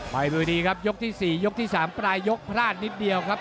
ไปด้วยดีครับยกที่๔ยกที่๓ปลายยกพลาดนิดเดียวครับ